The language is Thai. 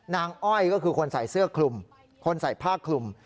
อ้อยก็คือคนใส่เสื้อคลุมคนใส่ผ้าคลุม